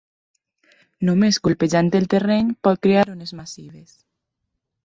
Només colpejant el terreny, pot crear ones massives.